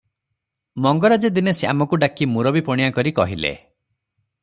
ମଙ୍ଗରାଜେ ଦିନେ ଶ୍ୟାମକୁ ଡାକି ମୂରବୀ ପଣିଆ କରି କହିଲେ